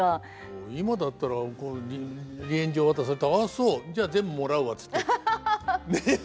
今だったら離縁状渡されたら「あっそう。じゃあ全部もらうわ」ってねえ。